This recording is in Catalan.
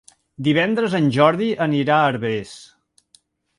Divendres en Jordi anirà a Herbers.